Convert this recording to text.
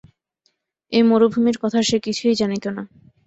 এ মরুভূমির কথা সে কিছুই জানিত না।